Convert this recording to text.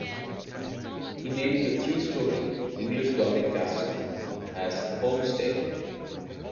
He named the three-story, English-gothic castle as Holmesdale.